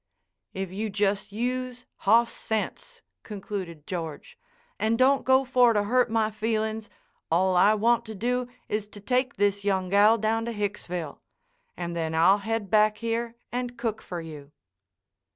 "If you just use hoss sense," concluded George, "and don't go for to hurt my feelin's, all I want to do is to take this young gal down to Hicksville; and then I'll head back here and cook fer you."